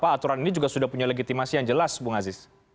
aturan ini juga sudah punya legitimasi yang jelas bung aziz